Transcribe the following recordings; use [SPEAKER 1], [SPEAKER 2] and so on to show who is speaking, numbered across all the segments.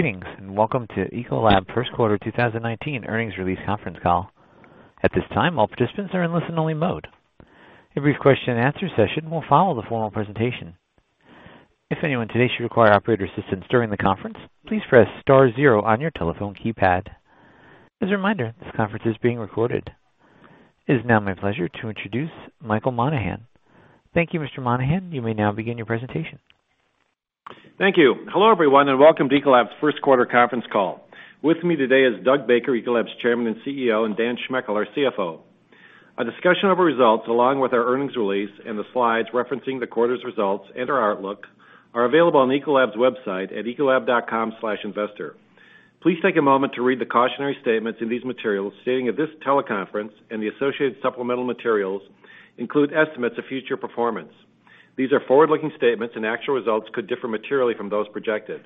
[SPEAKER 1] Greetings, welcome to Ecolab First Quarter 2019 earnings release conference call. At this time, all participants are in listen-only mode. A brief question-and-answer session will follow the formal presentation. If anyone today should require operator assistance during the conference, please press star zero on your telephone keypad. As a reminder, this conference is being recorded. It is now my pleasure to introduce Michael Monahan. Thank you, Mr. Monahan. You may now begin your presentation.
[SPEAKER 2] Thank you. Hello, everyone, welcome to Ecolab's first quarter conference call. With me today is Doug Baker, Ecolab's Chairman and CEO, and Dan Schmechel, our CFO. A discussion of our results, along with our earnings release and the slides referencing the quarter's results and our outlook, are available on Ecolab's website at ecolab.com/investor. Please take a moment to read the cautionary statements in these materials stating that this teleconference and the associated supplemental materials include estimates of future performance. These are forward-looking statements, actual results could differ materially from those projected.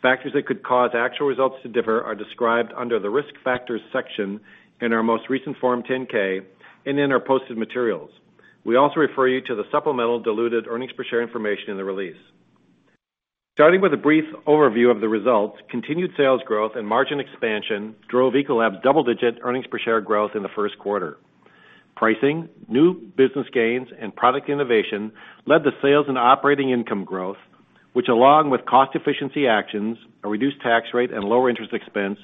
[SPEAKER 2] Factors that could cause actual results to differ are described under the Risk Factors section in our most recent Form 10-K and in our posted materials. We also refer you to the supplemental diluted earnings per share information in the release. Starting with a brief overview of the results, continued sales growth and margin expansion drove Ecolab's double-digit earnings per share growth in the first quarter. Pricing, new business gains, product innovation led to sales and operating income growth, which, along with cost efficiency actions, a reduced tax rate, and lower interest expense,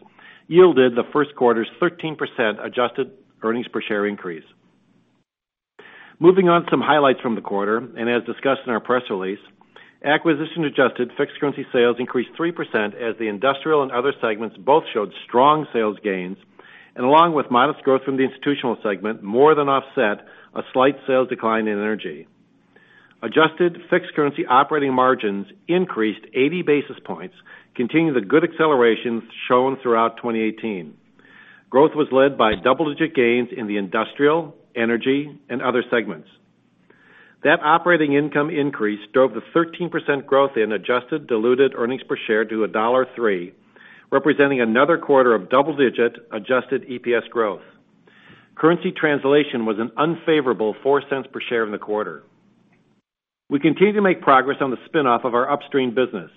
[SPEAKER 2] yielded the first quarter's 13% adjusted earnings per share increase. Moving on to some highlights from the quarter, as discussed in our press release, acquisition-adjusted fixed currency sales increased 3% as the Industrial and Other segments both showed strong sales gains, along with modest growth from the Institutional segment, more than offset a slight sales decline in Energy. Adjusted fixed currency operating margins increased 80 basis points, continuing the good acceleration shown throughout 2018. Growth was led by double-digit gains in the Industrial, Energy, and Other segments. That operating income increase drove the 13% growth in adjusted diluted earnings per share to $1.03, representing another quarter of double-digit adjusted EPS growth. Currency translation was an unfavorable $0.04 per share in the quarter. We continue to make progress on the spin-off of our upstream business.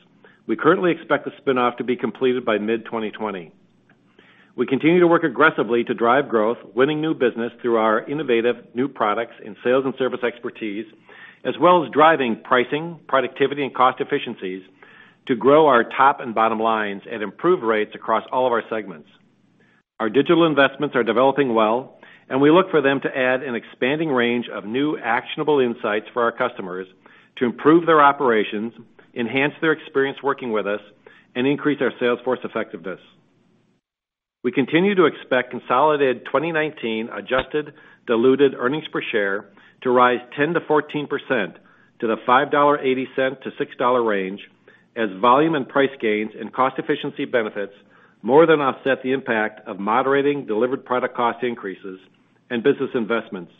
[SPEAKER 2] We currently expect the spin-off to be completed by mid-2020. We continue to work aggressively to drive growth, winning new business through our innovative new products in sales and service expertise, as well as driving pricing, productivity, and cost efficiencies to grow our top and bottom lines at improved rates across all of our segments. Our digital investments are developing well, we look for them to add an expanding range of new actionable insights for our customers to improve their operations, enhance their experience working with us, and increase our sales force effectiveness. We continue to expect consolidated 2019 adjusted diluted earnings per share to rise 10%-14%, to the $5.80-$6 range, as volume and price gains and cost efficiency benefits more than offset the impact of moderating delivered product cost increases and business investments.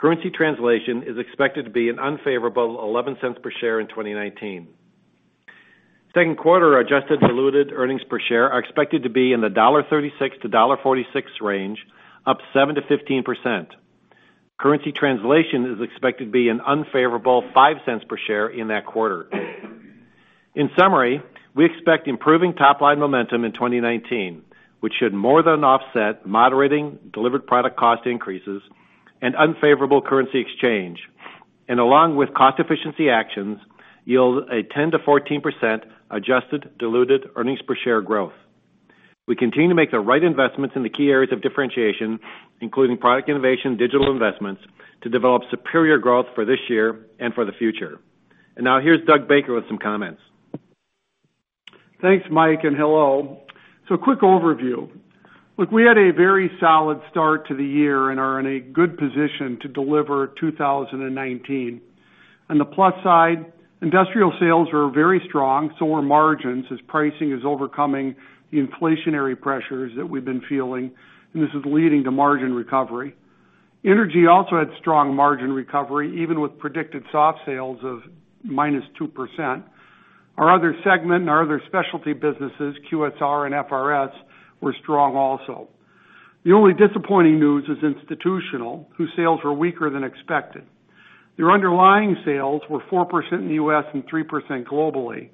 [SPEAKER 2] Currency translation is expected to be an unfavorable $0.11 per share in 2019. Second quarter adjusted diluted earnings per share are expected to be in the $1.36-$1.46 range, up 7%-15%. Currency translation is expected to be an unfavorable $0.05 per share in that quarter. In summary, we expect improving top-line momentum in 2019, which should more than offset moderating delivered product cost increases and unfavorable currency exchange, and along with cost efficiency actions, yield a 10%-14% adjusted diluted earnings per share growth. We continue to make the right investments in the key areas of differentiation, including product innovation, digital investments, to develop superior growth for this year and for the future. Now here's Doug Baker with some comments.
[SPEAKER 3] Thanks, Mike, and hello. A quick overview. Look, we had a very solid start to the year and are in a good position to deliver 2019. On the plus side, Industrial sales are very strong. Margins, as pricing is overcoming the inflationary pressures that we've been feeling, and this is leading to margin recovery. Energy also had strong margin recovery, even with predicted soft sales of -2%. Our Other segment and our other specialty businesses, QSR and FRS, were strong also. The only disappointing news is Institutional, whose sales were weaker than expected. Their underlying sales were 4% in the U.S. and 3% globally.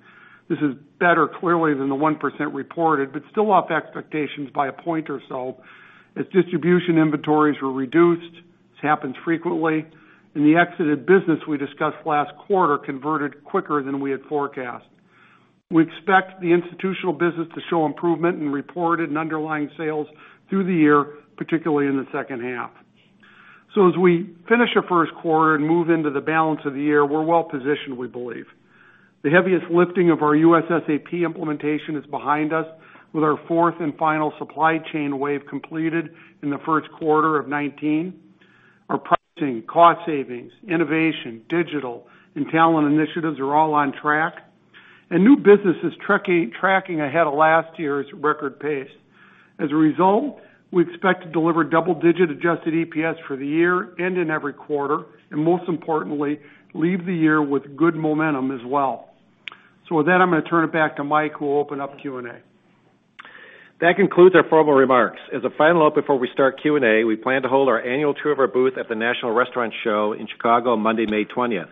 [SPEAKER 3] This is better clearly than the 1% reported, but still off expectations by a point or so, as distribution inventories were reduced, this happens frequently, and the exited business we discussed last quarter converted quicker than we had forecast. We expect the Institutional business to show improvement in reported and underlying sales through the year, particularly in the second half. As we finish our first quarter and move into the balance of the year, we're well-positioned, we believe. The heaviest lifting of our U.S. SAP implementation is behind us with our fourth and final supply chain wave completed in the first quarter of 2019. Our pricing, cost savings, innovation, digital, and talent initiatives are all on track. New business is tracking ahead of last year's record pace. As a result, we expect to deliver double-digit adjusted EPS for the year and in every quarter, and most importantly, leave the year with good momentum as well. With that, I'm going to turn it back to Mike, who will open up Q&A.
[SPEAKER 2] That concludes our formal remarks. As a final note before we start Q&A, we plan to hold our annual tour of our booth at the National Restaurant Show in Chicago on Monday, May 20th.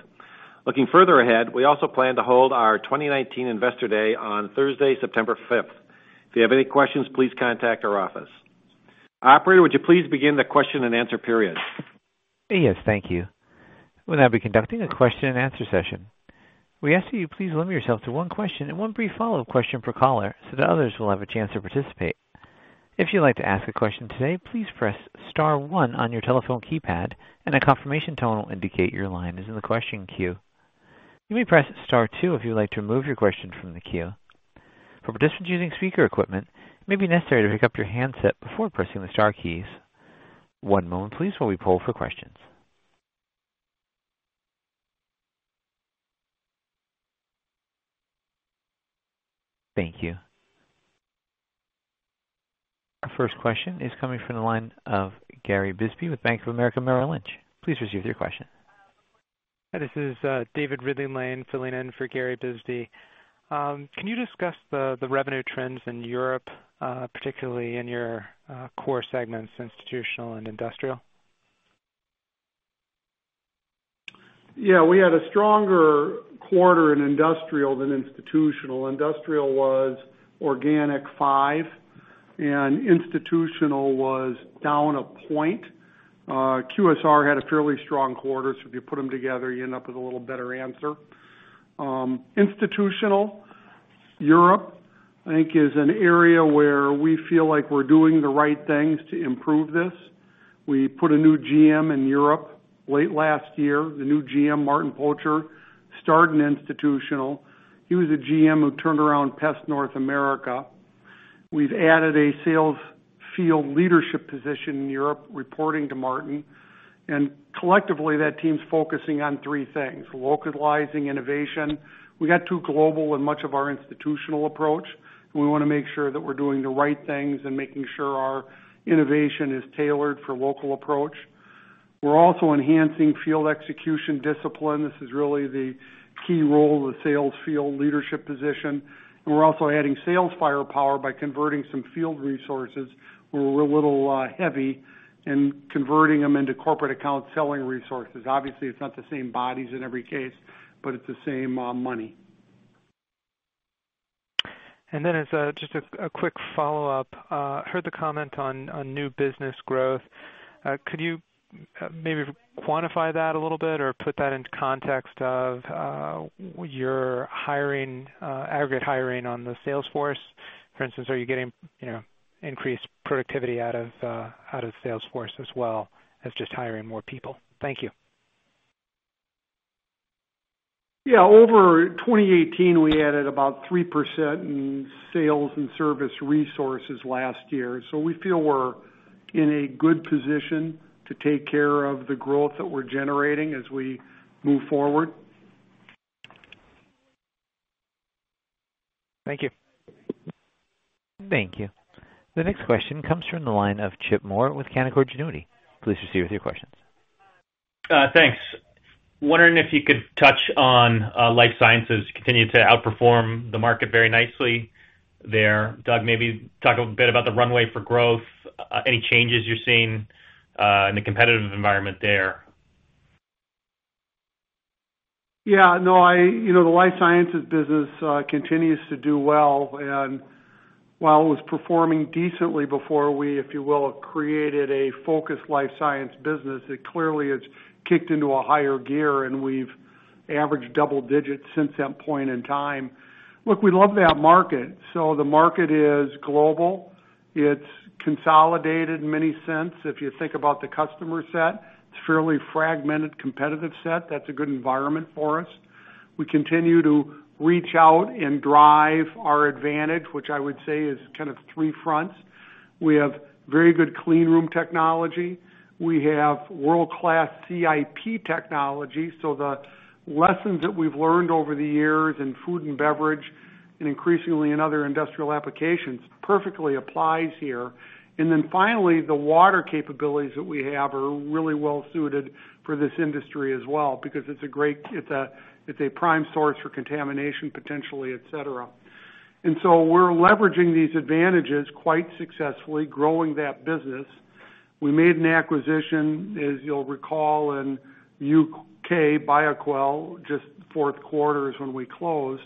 [SPEAKER 2] Looking further ahead, we also plan to hold our 2019 Investor Day on Thursday, September 5th. If you have any questions, please contact our office. Operator, would you please begin the question-and-answer period?
[SPEAKER 1] Yes, thank you. We'll now be conducting a question-and-answer session. We ask that you please limit yourself to one question and one brief follow-up question per caller so that others will have a chance to participate. If you'd like to ask a question today, please press star one on your telephone keypad, and a confirmation tone will indicate your line is in the question queue. You may press star two if you would like to remove your question from the queue. For participants using speaker equipment, it may be necessary to pick up your handset before pressing the star keys. One moment please while we poll for questions. Thank you. Our first question is coming from the line of Gary Bisbee with Bank of America Merrill Lynch. Please proceed with your question.
[SPEAKER 4] Hi, this is David Ridley-Lane filling in for Gary Bisbee. Can you discuss the revenue trends in Europe, particularly in your core segments, Institutional and Industrial?
[SPEAKER 3] Yeah, we had a stronger quarter in Industrial than Institutional. Industrial was organic 5%, and Institutional was down a point. QSR had a fairly strong quarter, so if you put them together, you end up with a little better answer. Institutional Europe, I think, is an area where we feel like we're doing the right things to improve this. We put a new GM in Europe late last year. The new GM, Maarten Potjer, started in Institutional. He was a GM who turned around Pest Elimination, North America. We've added a sales field leadership position in Europe, reporting to Maarten. Collectively, that team's focusing on three things: localizing innovation. We got too global in much of our institutional approach. We want to make sure that we're doing the right things and making sure our innovation is tailored for local approach. We're also enhancing field execution discipline. This is really the key role of the sales field leadership position. We're also adding sales firepower by converting some field resources where we're a little heavy and converting them into corporate account selling resources. Obviously, it's not the same bodies in every case, but it's the same money.
[SPEAKER 4] As just a quick follow-up, heard the comment on new business growth. Could you maybe quantify that a little bit or put that into context of your aggregate hiring on the sales force? For instance, are you getting increased productivity out of sales force as well as just hiring more people? Thank you.
[SPEAKER 3] Yeah. Over 2018, we added about 3% in sales and service resources last year. We feel we're in a good position to take care of the growth that we're generating as we move forward.
[SPEAKER 4] Thank you.
[SPEAKER 1] Thank you. The next question comes from the line of Chip Moore with Canaccord Genuity. Please proceed with your questions.
[SPEAKER 5] Thanks. Wondering if you could touch on Life Sciences. You continue to outperform the market very nicely there. Doug, maybe talk a bit about the runway for growth, any changes you're seeing in the competitive environment there.
[SPEAKER 3] Yeah. The life sciences business continues to do well. While it was performing decently before we, if you will, created a focused Life Science business, it clearly has kicked into a higher gear, and we've averaged double digits since that point in time. Look, we love that market. The market is global. It's consolidated in many sense. If you think about the customer set, it's fairly fragmented, competitive set. That's a good environment for us. We continue to reach out and drive our advantage, which I would say is kind of three fronts. We have very good clean room technology. We have world-class CIP technology. The lessons that we've learned over the years in Food & Beverage, and increasingly in other industrial applications, perfectly applies here. Finally, the Water capabilities that we have are really well suited for this industry as well because it's a prime source for contamination, potentially, et cetera. We're leveraging these advantages quite successfully, growing that business. We made an acquisition, as you'll recall, in U.K., Bioquell, just fourth quarter is when we closed.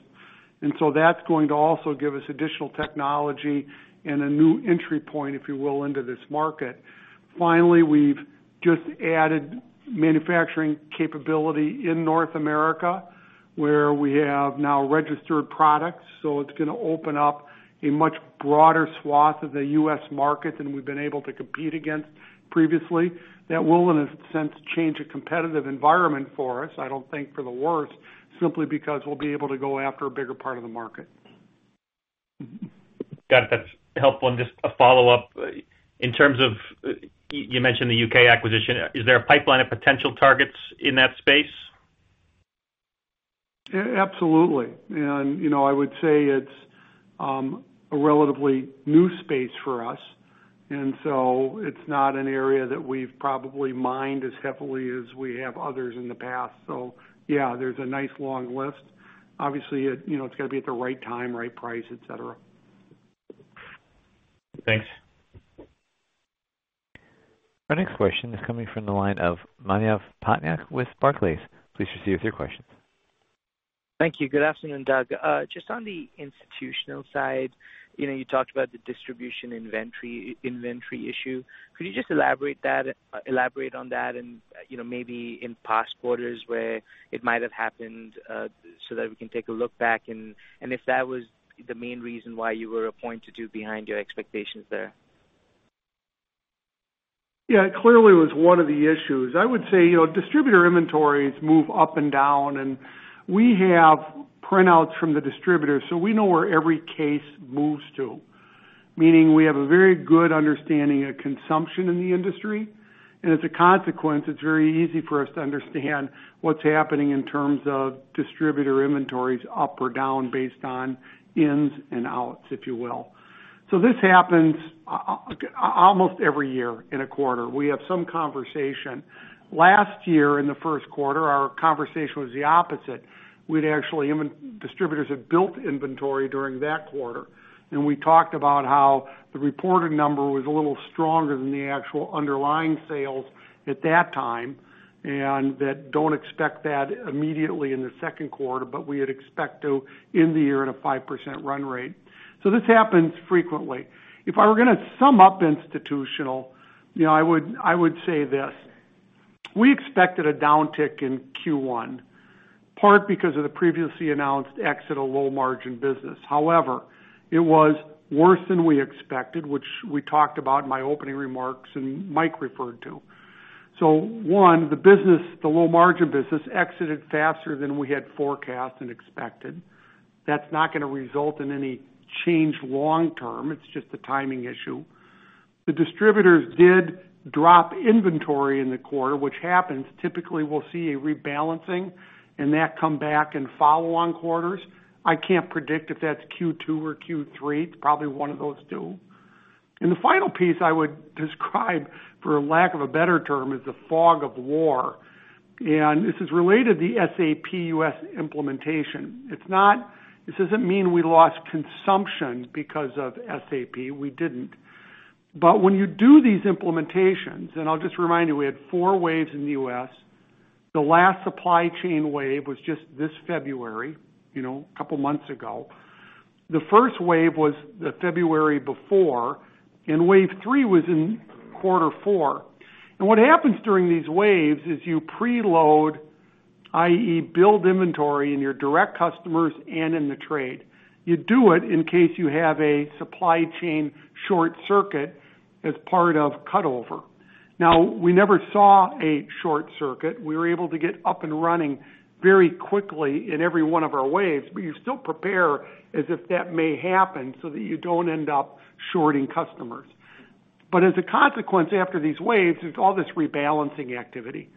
[SPEAKER 3] That's going to also give us additional technology and a new entry point, if you will, into this market. Finally, we've just added manufacturing capability in North America, where we have now registered products. It's going to open up a much broader swath of the U.S. market than we've been able to compete against previously. That will, in a sense, change a competitive environment for us, I don't think for the worse, simply because we'll be able to go after a bigger part of the market.
[SPEAKER 5] Got it. That's helpful. Just a follow-up. You mentioned the U.K. acquisition. Is there a pipeline of potential targets in that space?
[SPEAKER 3] Absolutely. I would say it's a relatively new space for us. It's not an area that we've probably mined as heavily as we have others in the past. Yeah, there's a nice long list. Obviously, it's got to be at the right time, right price, et cetera.
[SPEAKER 5] Thanks.
[SPEAKER 1] Our next question is coming from the line of Manav Patnaik with Barclays. Please proceed with your questions.
[SPEAKER 6] Thank you. Good afternoon, Doug. Just on the Institutional side, you talked about the distribution inventory issue. Could you just elaborate on that and maybe in past quarters where it might have happened, so that we can take a look back and if that was the main reason why you were a point or two behind your expectations there?
[SPEAKER 3] Yeah, it clearly was one of the issues. I would say, distributor inventories move up and down, and we have printouts from the distributors, so we know where every case moves to. Meaning we have a very good understanding of consumption in the industry. As a consequence, it's very easy for us to understand what's happening in terms of distributor inventories up or down based on ins and outs, if you will. This happens almost every year in a quarter. We have some conversation. Last year in the first quarter, our conversation was the opposite. Distributors have built inventory during that quarter, and we talked about how the reported number was a little stronger than the actual underlying sales at that time, and that don't expect that immediately in the second quarter, but we would expect to end the year at a 5% run rate. This happens frequently. If I were going to sum up Institutional, I would say this. We expected a downtick in Q1, part because of the previously announced exit of low-margin business. However, it was worse than we expected, which we talked about in my opening remarks and Mike referred to. One, the low-margin business exited faster than we had forecast and expected. That's not going to result in any change long term. It's just a timing issue. The distributors did drop inventory in the quarter, which happens. Typically, we'll see a rebalancing and that come back in follow-on quarters. I can't predict if that's Q2 or Q3. It's probably one of those two. The final piece I would describe, for lack of a better term, is the fog of war. This is related to the SAP U.S. implementation. This doesn't mean we lost consumption because of SAP. We didn't. When you do these implementations, and I'll just remind you, we had four waves in the U.S., the last supply chain wave was just this February, a couple of months ago. The first wave was the February before, and wave three was in quarter four. What happens during these waves is you preload, i.e. build inventory in your direct customers and in the trade. You do it in case you have a supply chain short circuit as part of cut-over. Now, we never saw a short circuit. We were able to get up and running very quickly in every one of our waves, but you still prepare as if that may happen so that you don't end up shorting customers. As a consequence, after these waves, there's all this rebalancing activity.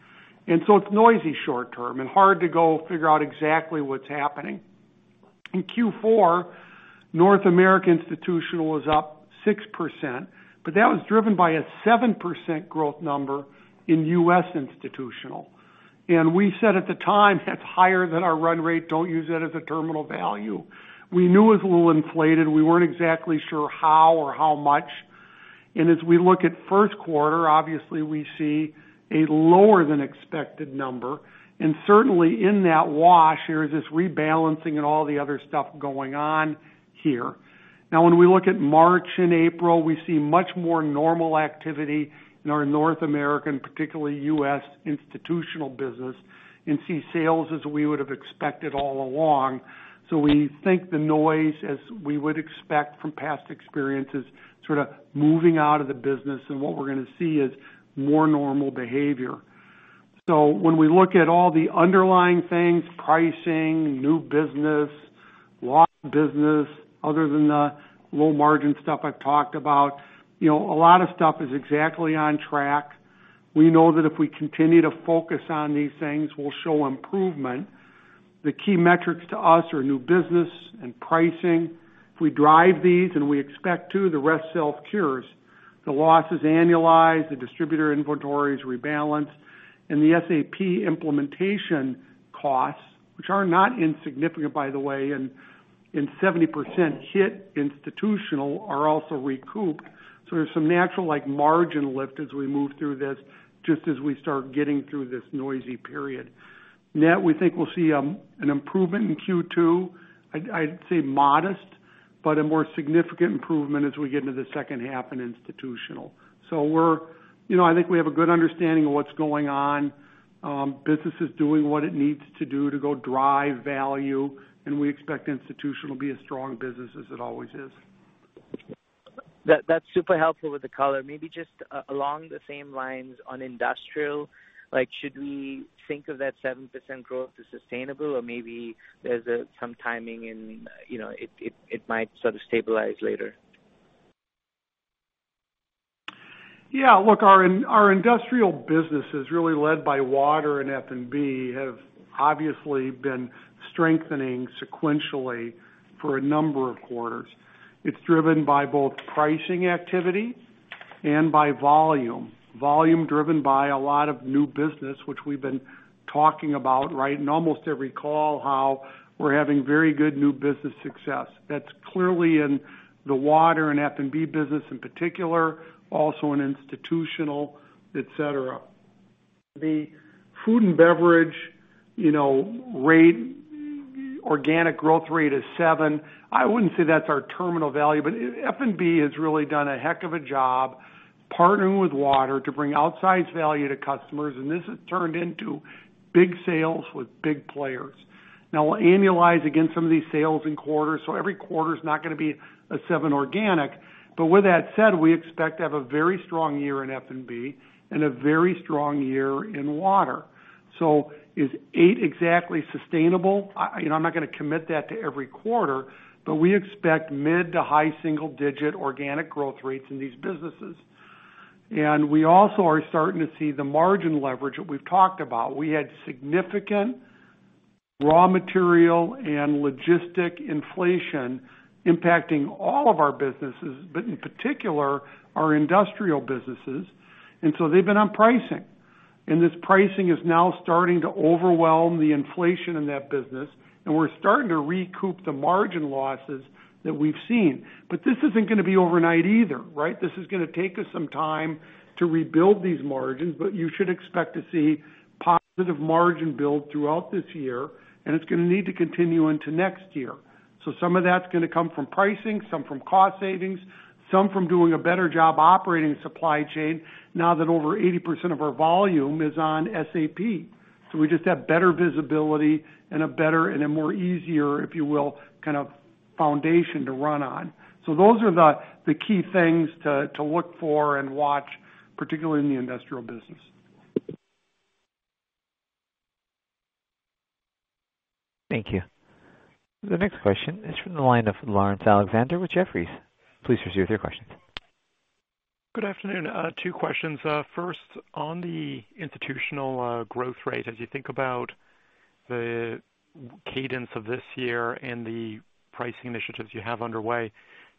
[SPEAKER 3] It's noisy short term and hard to go figure out exactly what's happening. In Q4, North American Institutional was up 6%, but that was driven by a 7% growth number in U.S. Institutional. We said at the time, "That's higher than our run rate. Don't use that as a terminal value." We knew it was a little inflated. We weren't exactly sure how or how much. As we look at first quarter, obviously we see a lower than expected number. Certainly in that wash, there is this rebalancing and all the other stuff going on here. Now, when we look at March and April, we see much more normal activity in our North American, particularly U.S. Institutional business, and see sales as we would have expected all along. We think the noise, as we would expect from past experiences, sort of moving out of the business, and what we're going to see is more normal behavior. When we look at all the underlying things, pricing, new business, lost business, other than the low-margin stuff I've talked about, a lot of stuff is exactly on track. We know that if we continue to focus on these things, we'll show improvement. The key metrics to us are new business and pricing. If we drive these, and we expect to, the rest self-cures. The losses annualize, the distributor inventories rebalance, and the SAP implementation costs, which are not insignificant, by the way, and 70% hit Institutional are also recouped. There's some natural margin lift as we move through this, just as we start getting through this noisy period. Net, we think we'll see an improvement in Q2. I'd say modest, but a more significant improvement as we get into the second half in Institutional. I think we have a good understanding of what's going on. Business is doing what it needs to do to go drive value, and we expect Institutional to be as strong business as it always is.
[SPEAKER 6] That's super helpful with the color. Maybe just along the same lines on Industrial, should we think of that 7% growth as sustainable or maybe there's some timing and it might sort of stabilize later?
[SPEAKER 3] Look, our Industrial business is really led by Water and F&B, have obviously been strengthening sequentially for a number of quarters. It's driven by both pricing activity and by volume. Volume driven by a lot of new business, which we've been talking about in almost every call, how we're having very good new business success. That's clearly in the Water and F&B business in particular, also in Institutional, et cetera. The Food & Beverage organic growth rate is 7%. I wouldn't say that's our terminal value, but F&B has really done a heck of a job partnering with Water to bring outsized value to customers, and this has turned into big sales with big players. Now, we'll annualize against some of these sales in quarters. Every quarter is not going to be a 7% organic. With that said, we expect to have a very strong year in F&B and a very strong year in Water. Is 8% exactly sustainable? I'm not going to commit that to every quarter, but we expect mid- to high-single digit organic growth rates in these businesses. We also are starting to see the margin leverage that we've talked about. We had significant raw material and logistic inflation impacting all of our businesses, but in particular, our Industrial businesses. They've been on pricing, and this pricing is now starting to overwhelm the inflation in that business, and we're starting to recoup the margin losses that we've seen. This isn't going to be overnight either, right? This is going to take us some time to rebuild these margins, but you should expect to see positive margin build throughout this year, and it's going to need to continue into next year. Some of that's going to come from pricing, some from cost savings, some from doing a better job operating supply chain now that over 80% of our volume is on SAP. We just have better visibility and a better and a more easier, if you will, kind of foundation to run on. Those are the key things to look for and watch, particularly in the Industrial business.
[SPEAKER 1] Thank you. The next question is from the line of Laurence Alexander with Jefferies. Please proceed with your questions.
[SPEAKER 7] Good afternoon. Two questions. First, on the Institutional growth rate, as you think about the cadence of this year and the pricing initiatives you have underway,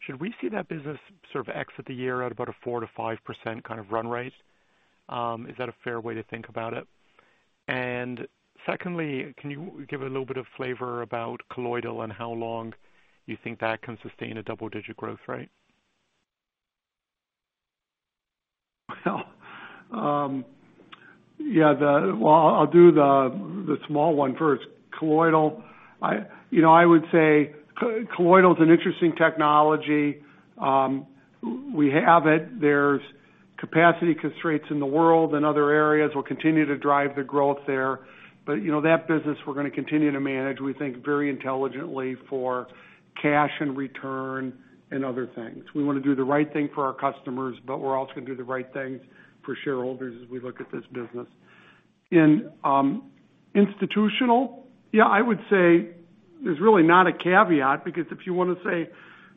[SPEAKER 7] should we see that business sort of exit the year at about a 4%-5% kind of run rate? Is that a fair way to think about it? Secondly, can you give a little bit of flavor about Colloidal and how long you think that can sustain a double-digit growth rate?
[SPEAKER 3] I'll do the small one first. Colloidal. I would say Colloidal is an interesting technology. We have it. There's capacity constraints in the world and other areas will continue to drive the growth there. That business we're going to continue to manage, we think, very intelligently for cash and return and other things. We want to do the right thing for our customers, but we're also going to do the right things for shareholders as we look at this business. In Institutional, yeah, I would say there's really not a caveat, because if you want to say,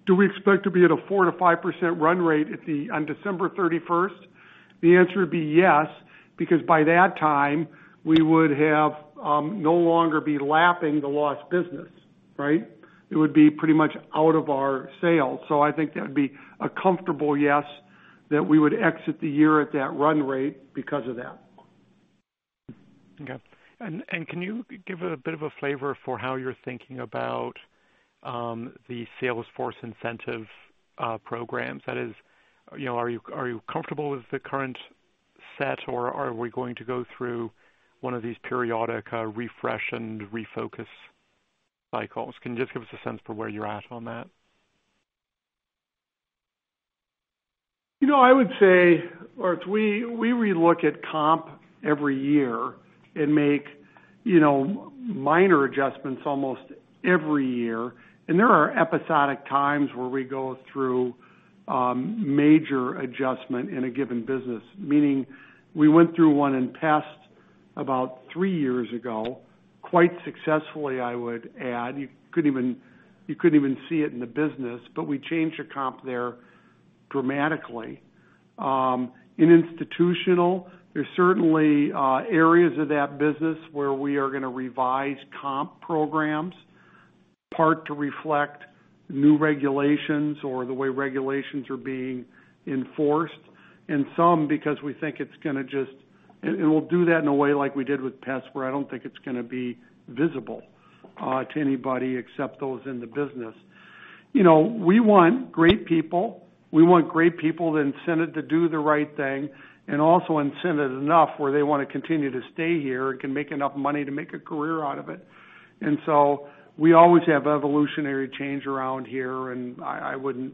[SPEAKER 3] do we expect to be at a 4%-5% run rate on December 31st? The answer would be yes, because by that time, we would have no longer be lapping the lost business. Right? It would be pretty much out of our sales. I think that would be a comfortable yes that we would exit the year at that run rate because of that.
[SPEAKER 7] Okay. Can you give a bit of a flavor for how you're thinking about the sales force incentive programs? That is, are you comfortable with the current set, or are we going to go through one of these periodic refresh and refocus cycles? Can you just give us a sense for where you're at on that?
[SPEAKER 3] I would say, Laurence, we re-look at comp every year and make minor adjustments almost every year. There are episodic times where we go through major adjustment in a given business, meaning we went through one in Pest about three years ago, quite successfully, I would add. You couldn't even see it in the business, but we changed the comp there dramatically. In Institutional, there's certainly areas of that business where we are going to revise comp programs, part to reflect new regulations or the way regulations are being enforced, and some because we think it's going to. We'll do that in a way like we did with Pest, where I don't think it's going to be visible to anybody except those in the business. We want great people. We want great people incented to do the right thing and also incented enough where they want to continue to stay here and can make enough money to make a career out of it. We always have evolutionary change around here, and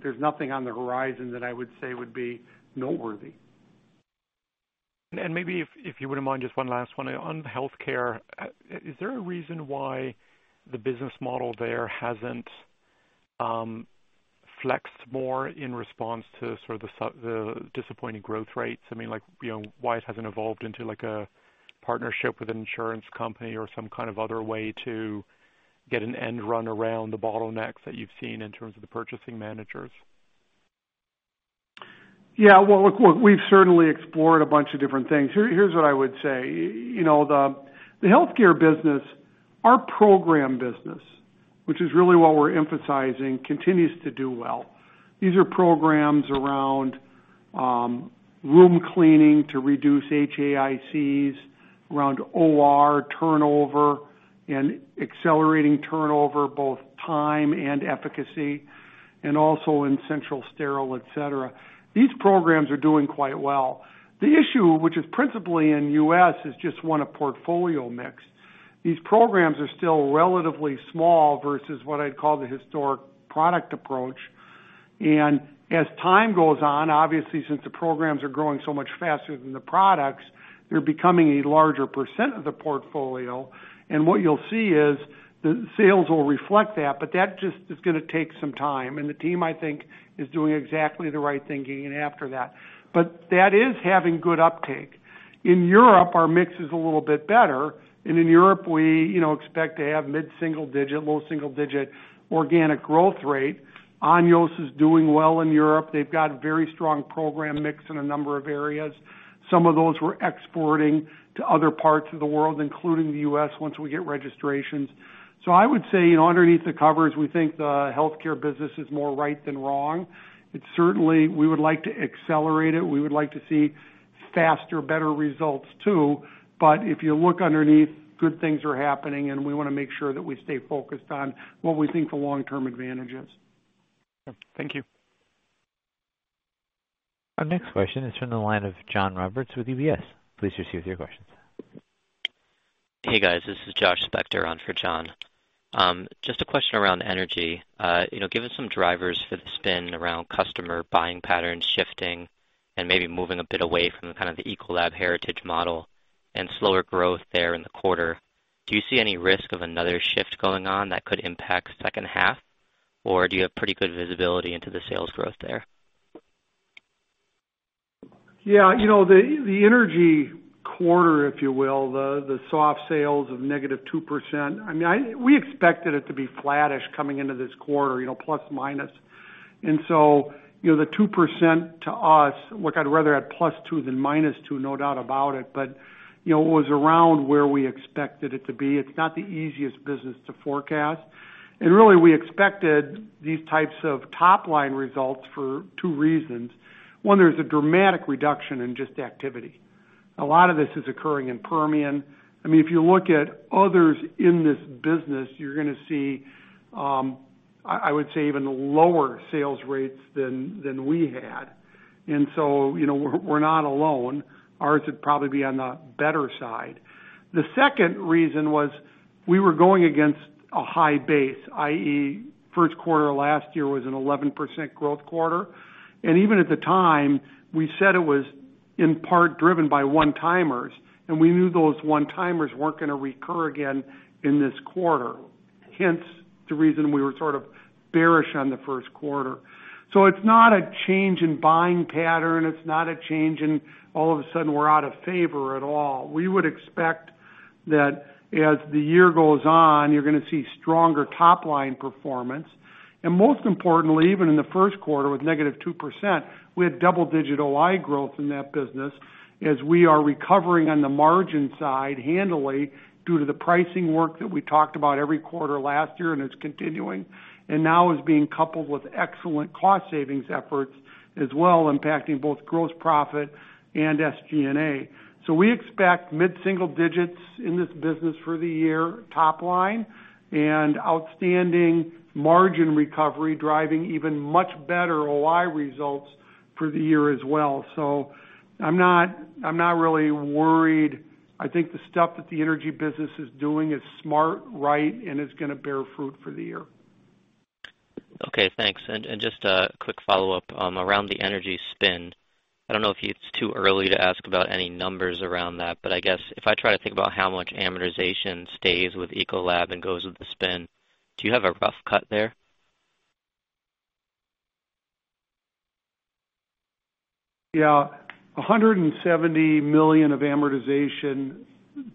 [SPEAKER 3] there's nothing on the horizon that I would say would be noteworthy.
[SPEAKER 7] Maybe if you wouldn't mind, just one last one. On Healthcare, is there a reason why the business model there hasn't flexed more in response to sort of the disappointing growth rates? I mean, why it hasn't evolved into, like, a partnership with an insurance company or some kind of other way to get an end run around the bottlenecks that you've seen in terms of the purchasing managers?
[SPEAKER 3] Yeah. Well, look, we've certainly explored a bunch of different things. Here's what I would say. The Healthcare business, our program business, which is really what we're emphasizing, continues to do well. These are programs around room cleaning to reduce HAIs, around OR turnover and accelerating turnover, both time and efficacy, and also in central sterile, et cetera. These programs are doing quite well. The issue, which is principally in U.S., is just one of portfolio mix. These programs are still relatively small versus what I'd call the historic product approach. As time goes on, obviously, since the programs are growing so much faster than the products, they're becoming a larger percent of the portfolio. What you'll see is the sales will reflect that, but that just is going to take some time. The team, I think, is doing exactly the right thinking after that. That is having good uptake. In Europe, our mix is a little bit better. In Europe, we expect to have mid-single digit, low single-digit organic growth rate. Anios is doing well in Europe. They've got very strong program mix in a number of areas. Some of those we're exporting to other parts of the world, including the U.S., once we get registrations. I would say, underneath the covers, we think the Healthcare business is more right than wrong. We would like to accelerate it. We would like to see faster, better results too. If you look underneath, good things are happening, and we want to make sure that we stay focused on what we think the long-term advantage is.
[SPEAKER 7] Thank you.
[SPEAKER 1] Our next question is from the line of John Roberts with UBS. Please proceed with your questions.
[SPEAKER 8] Hey, guys. This is Josh Spector on for John. Just a question around Energy. Given some drivers for the spin around customer buying patterns shifting and maybe moving a bit away from the kind of the Ecolab heritage model and slower growth there in the quarter, do you see any risk of another shift going on that could impact second half? Or do you have pretty good visibility into the sales growth there?
[SPEAKER 3] Yeah. The Energy quarter, if you will, the soft sales of -2%. We expected it to be flattish coming into this quarter, plus/minus. The 2% to us, look, I'd rather have +2% than -2%, no doubt about it, but it was around where we expected it to be. It's not the easiest business to forecast. Really, we expected these types of top-line results for two reasons. One, there's a dramatic reduction in just activity. A lot of this is occurring in Permian. If you look at others in this business, you're going to see, I would say, even lower sales rates than we had. We're not alone. Ours would probably be on the better side. The second reason was we were going against a high base, i.e., first quarter last year was an 11% growth quarter. Even at the time, we said it was in part driven by one-timers, and we knew those one-timers weren't going to recur again in this quarter. Hence, the reason we were sort of bearish on the first quarter. It's not a change in buying pattern. It's not a change in all of a sudden we're out of favor at all. We would expect that as the year goes on, you're going to see stronger top-line performance. Most importantly, even in the first quarter with negative 2%, we had double-digit OI growth in that business as we are recovering on the margin side handily due to the pricing work that we talked about every quarter last year, and it's continuing, and now is being coupled with excellent cost savings efforts as well, impacting both gross profit and SG&A. We expect mid-single digits in this business for the year top line, and outstanding margin recovery driving even much better OI results for the year as well. I'm not really worried. I think the stuff that the Energy business is doing is smart, right, and it's going to bear fruit for the year.
[SPEAKER 8] Okay, thanks. Just a quick follow-up around the Energy spin. I don't know if it's too early to ask about any numbers around that, but I guess if I try to think about how much amortization stays with Ecolab and goes with the spin, do you have a rough cut there?
[SPEAKER 3] Yeah. $170 million of amortization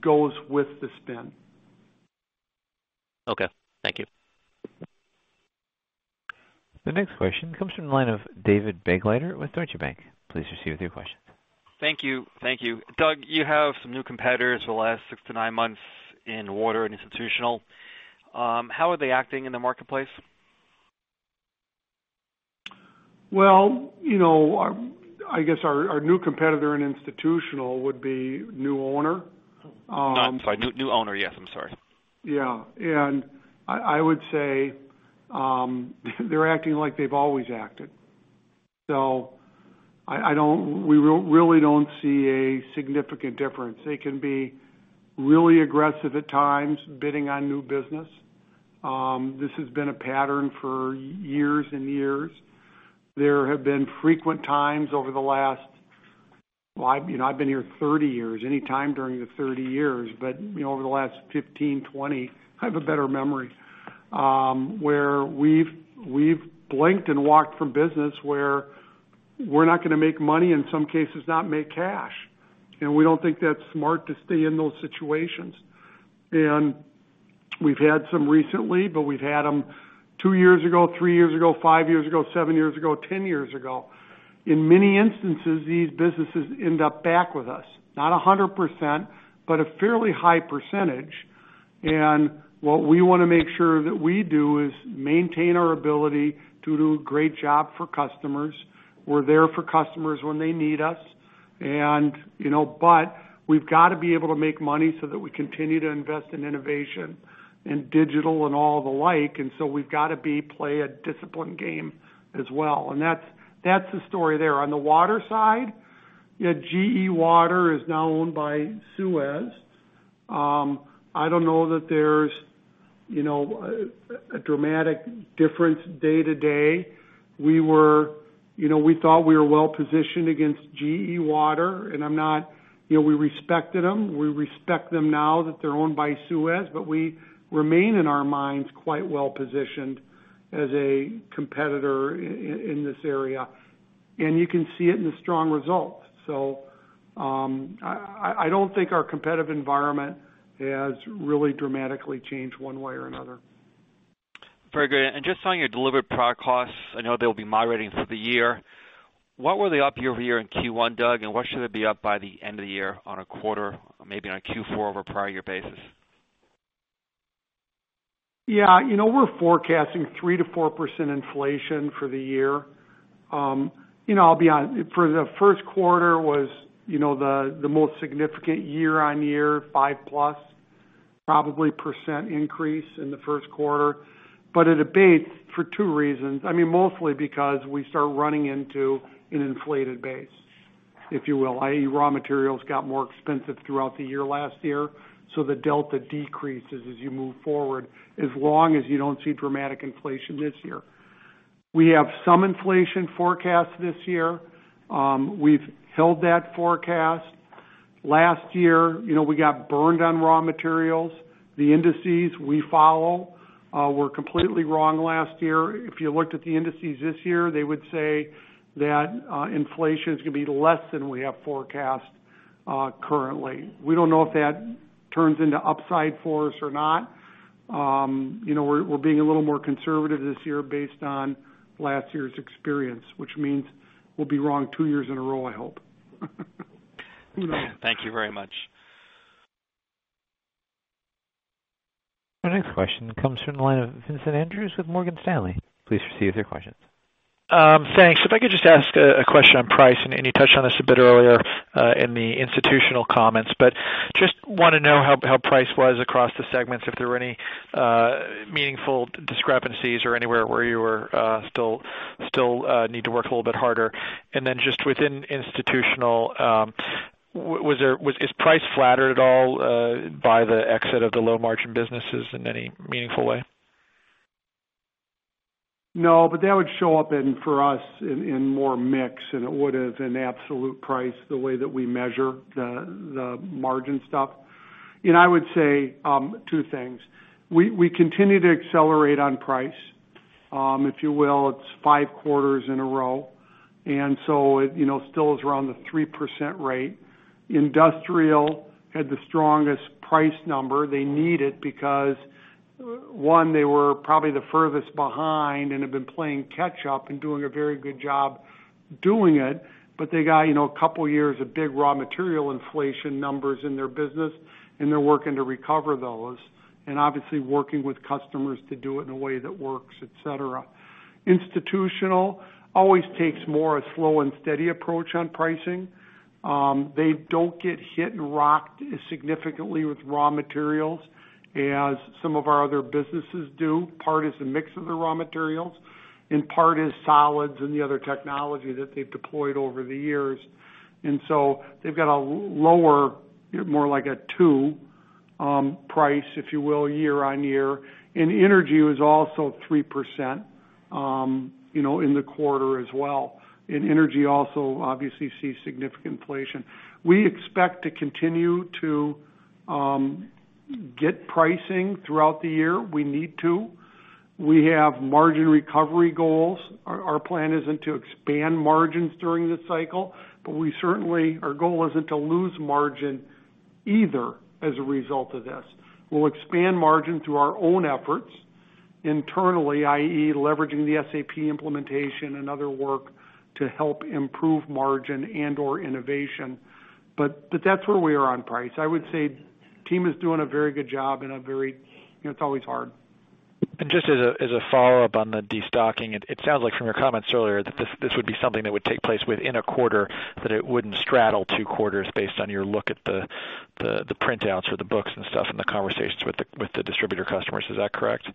[SPEAKER 3] goes with the spin.
[SPEAKER 8] Okay. Thank you.
[SPEAKER 1] The next question comes from the line of David Begleiter with Deutsche Bank. Please proceed with your questions.
[SPEAKER 9] Thank you. Doug, you have some new competitors over the last six to nine months in Water and Institutional. How are they acting in the marketplace?
[SPEAKER 3] I guess our new competitor in Institutional would be new owner.
[SPEAKER 9] I'm sorry, new owner. Yes, I'm sorry.
[SPEAKER 3] I would say, they're acting like they've always acted. We really don't see a significant difference. They can be really aggressive at times, bidding on new business. This has been a pattern for years and years. There have been frequent times over the last I've been here 30 years, any time during the 30 years, but over the last 15, 20, I have a better memory, where we've blinked and walked from business where we're not going to make money, in some cases, not make cash. We don't think that's smart to stay in those situations. We've had some recently, but we've had them two years ago, three years ago, five years ago, seven years ago, 10 years ago. In many instances, these businesses end up back with us, not 100%, but a fairly high percentage. What we want to make sure that we do is maintain our ability to do a great job for customers. We're there for customers when they need us. We've got to be able to make money so that we continue to invest in innovation and digital and all the like. We've got to play a disciplined game as well. That's the story there. On the Water side, GE Water is now owned by SUEZ. I don't know that there's a dramatic difference day to day. We thought we were well-positioned against GE Water, and we respected them. We respect them now that they're owned by SUEZ, but we remain, in our minds, quite well-positioned as a competitor in this area, and you can see it in the strong results. I don't think our competitive environment has really dramatically changed one way or another.
[SPEAKER 9] Very good. Just on your delivered product costs, I know they'll be moderating through the year. What were they up year-over-year in Q1, Doug, and what should they be up by the end of the year on a quarter, maybe on a Q4 over prior year basis?
[SPEAKER 3] Yeah. We're forecasting 3%-4% inflation for the year. For the first quarter was the most significant year-on-year, 5%+, probably, percent increase in the first quarter. It abates for two reasons. Mostly because we start running into an inflated base, if you will, i.e., raw materials got more expensive throughout the year last year, so the delta decreases as you move forward, as long as you don't see dramatic inflation this year. We have some inflation forecast this year. We've held that forecast. Last year, we got burned on raw materials. The indices we follow were completely wrong last year. If you looked at the indices this year, they would say that inflation is going to be less than we have forecast currently. We don't know if that turns into upside for us or not. We're being a little more conservative this year based on last year's experience, which means we'll be wrong two years in a row, I hope.
[SPEAKER 9] Thank you very much.
[SPEAKER 1] Our next question comes from the line of Vincent Andrews with Morgan Stanley. Please proceed with your question.
[SPEAKER 10] Thanks. If I could just ask a question on pricing. You touched on this a bit earlier in the Institutional comments, but just want to know how price was across the segments, if there were any meaningful discrepancies or anywhere where you still need to work a little bit harder. Then just within Institutional, is price flattered at all by the exit of the low-margin businesses in any meaningful way?
[SPEAKER 3] No, that would show up in for us in more mix than it would have in absolute price, the way that we measure the margin stuff. I would say two things. We continue to accelerate on price. If you will, it's five quarters in a row, it still is around the 3% rate. Industrial had the strongest price number. They need it because, one, they were probably the furthest behind and have been playing catch up and doing a very good job doing it. They got a couple of years of big raw material inflation numbers in their business, they're working to recover those, obviously working with customers to do it in a way that works, et cetera. Institutional always takes more a slow and steady approach on pricing. They don't get hit and rocked as significantly with raw materials as some of our other businesses do. Part is the mix of the raw materials, part is solids and the other technology that they've deployed over the years. They've got a lower, more like a 2% price, if you will, year on year. Energy was also 3% in the quarter as well. Energy also obviously sees significant inflation. We expect to continue to get pricing throughout the year. We need to. We have margin recovery goals. Our plan isn't to expand margins during this cycle, but our goal isn't to lose margin either as a result of this. We'll expand margin through our own efforts internally, i.e., leveraging the SAP implementation and other work to help improve margin and/or innovation. That's where we are on price. I would say the team is doing a very good job. It's always hard.
[SPEAKER 10] Just as a follow-up on the de-stocking, it sounds like from your comments earlier that this would be something that would take place within a quarter, that it wouldn't straddle two quarters based on your look at the printouts or the books and stuff and the conversations with the distributor customers. Is that correct?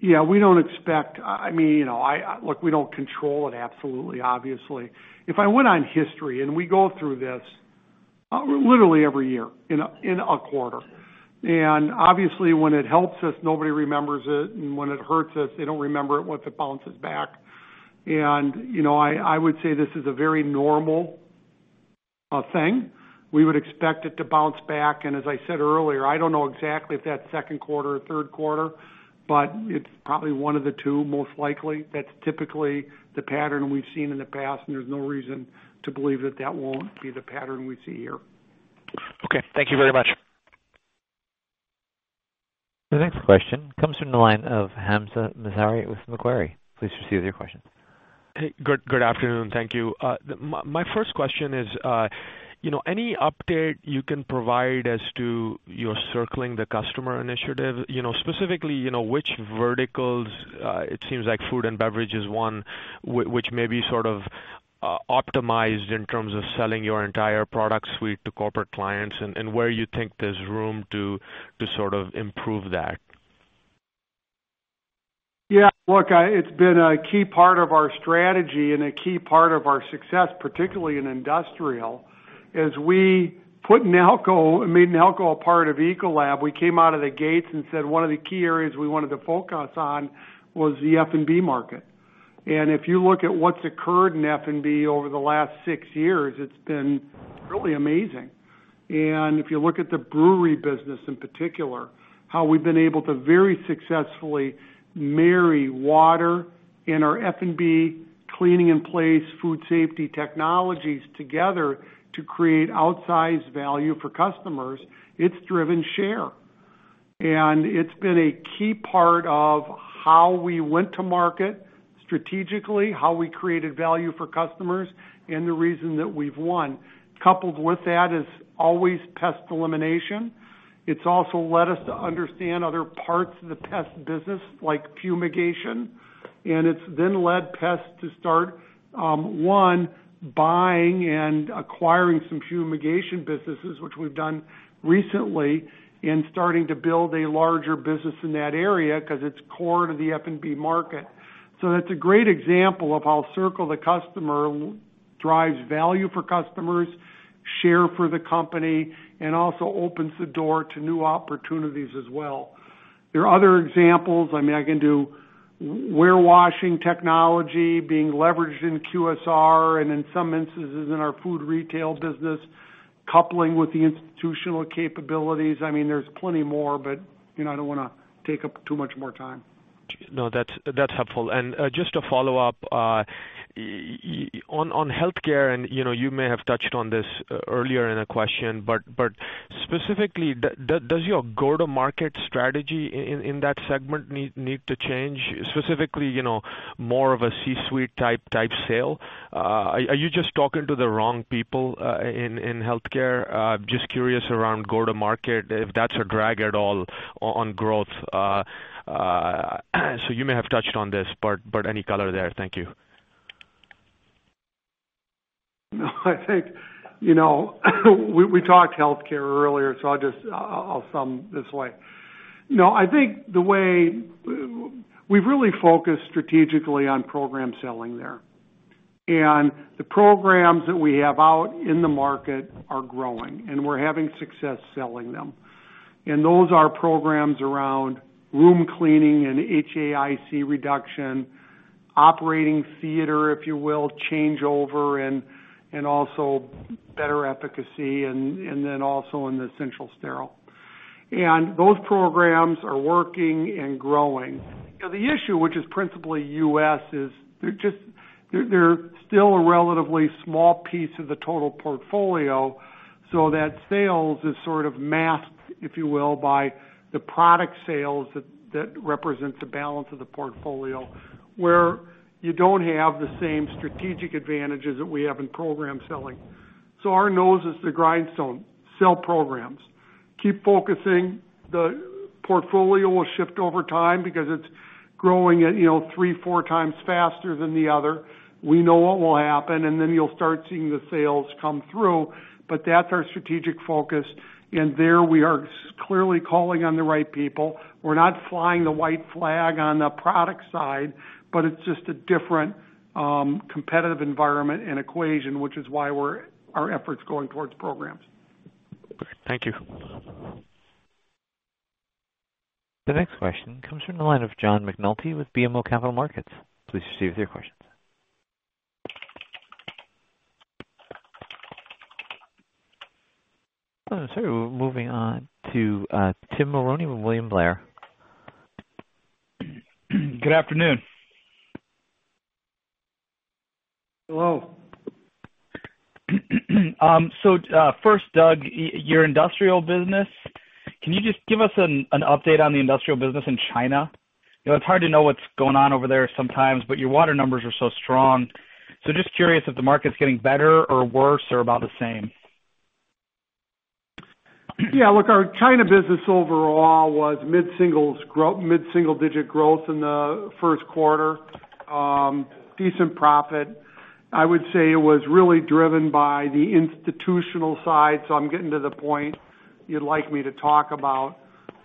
[SPEAKER 3] Yeah. Look, we don't control it absolutely, obviously. If I went on history, we go through this literally every year in a quarter. Obviously when it helps us, nobody remembers it, and when it hurts us, they don't remember it once it bounces back. I would say this is a very normal thing. We would expect it to bounce back, and as I said earlier, I don't know exactly if that's second quarter or third quarter, but it's probably one of the two, most likely. That's typically the pattern we've seen in the past, and there's no reason to believe that that won't be the pattern we see here.
[SPEAKER 10] Okay. Thank you very much.
[SPEAKER 1] The next question comes from the line of Hamzah Mazari with Macquarie. Please proceed with your questions.
[SPEAKER 11] Hey, good afternoon. Thank you. My first question is, any update you can provide as to your Circle the Customer initiative? Specifically, which verticals, it seems like Food & Beverage is one, which may be sort of optimized in terms of selling your entire product suite to corporate clients, where you think there's room to sort of improve that?
[SPEAKER 3] It's been a key part of our strategy and a key part of our success, particularly in Industrial, as we put Nalco, made Nalco a part of Ecolab. We came out of the gates and said one of the key areas we wanted to focus on was the F&B market. If you look at what's occurred in F&B over the last six years, it's been really amazing. If you look at the brewery business in particular, how we've been able to very successfully marry Water and our F&B, clean-in-place food safety technologies together to create outsized value for customers, it's driven share. It's been a key part of how we went to market strategically, how we created value for customers, and the reason that we've won. Coupled with that is always Pest Elimination. It's also led us to understand other parts of the Pest business, like fumigation. It's then led pest to start, one, buying and acquiring some fumigation businesses, which we've done recently, and starting to build a larger business in that area, because it's core to the F&B market. That's a great example of how Circle the Customer drives value for customers, share for the company, and also opens the door to new opportunities as well. There are other examples. I can do warewashing technology being leveraged in QSR and in some instances in our food retail business, coupling with the Institutional capabilities. There's plenty more, but I don't want to take up too much more time.
[SPEAKER 11] No, that's helpful. Just to follow up, on Healthcare, you may have touched on this earlier in a question, specifically, does your go-to-market strategy in that segment need to change? Specifically, more of a C-suite type sale? Are you just talking to the wrong people in Healthcare? Just curious around go-to-market, if that's a drag at all on growth. You may have touched on this, but any color there? Thank you.
[SPEAKER 3] I think, we talked Healthcare earlier, I'll sum this way. I think the way we've really focused strategically on program selling there. The programs that we have out in the market are growing, and we're having success selling them. Those are programs around room cleaning and HAIs reduction, Operating Theater, if you will, changeover and also better efficacy, then also in the central sterile. Those programs are working and growing. The issue, which is principally U.S., is they're still a relatively small piece of the total portfolio, that sales is sort of masked, if you will, by the product sales that represent the balance of the portfolio, where you don't have the same strategic advantages that we have in program selling. Our nose is the grindstone. Sell programs. Keep focusing. The portfolio will shift over time because it's growing at 3x, 4x faster than the other. We know what will happen, then you'll start seeing the sales come through, but that's our strategic focus. There we are clearly calling on the right people. We're not flying the white flag on the product side, but it's just a different competitive environment and equation, which is why our efforts are going towards programs.
[SPEAKER 11] Thank you.
[SPEAKER 1] The next question comes from the line of John McNulty with BMO Capital Markets. Please proceed with your questions. Moving on to Tim Mulrooney with William Blair.
[SPEAKER 12] Good afternoon.
[SPEAKER 3] Hello.
[SPEAKER 12] First, Doug, your Industrial business, can you just give us an update on the Industrial business in China? It's hard to know what's going on over there sometimes, but your Water numbers are so strong. Just curious if the market's getting better or worse or about the same?
[SPEAKER 3] Yeah, look, our China business overall was mid-single digit growth in the first quarter. Decent profit. I would say it was really driven by the Institutional side, so I'm getting to the point you'd like me to talk about.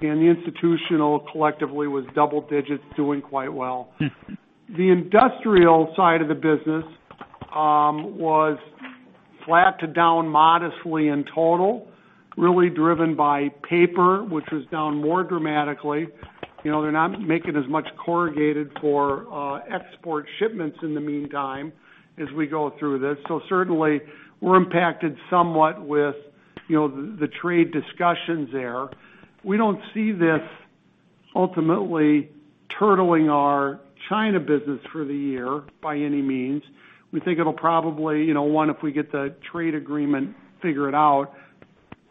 [SPEAKER 3] The Institutional collectively was double digits, doing quite well. The Industrial side of the business was flat to down modestly in total. Really driven by Paper, which is down more dramatically. They're not making as much corrugated for export shipments in the meantime as we go through this. Certainly, we're impacted somewhat with the trade discussions there. We don't see this ultimately turtling our China business for the year by any means. We think it'll probably, one, if we get the trade agreement figured out,